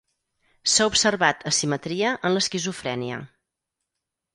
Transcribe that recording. S'ha observat asimetria en l'esquizofrènia.